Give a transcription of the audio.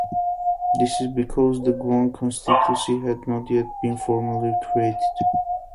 This is because the Guan constituency had not yet been formally created.